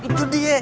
nah itu dia